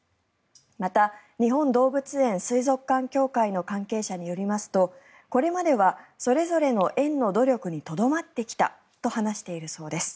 また、日本動物園水族館協会の関係者によりますとこれまではそれぞれの園の努力にとどまってきたと話しているそうです。